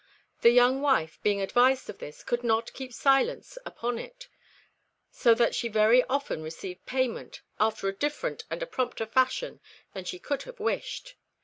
The young wife, being advised of this, could not keep silence upon it, so that she very often received payment after a different and a prompter fashion than she could have wished.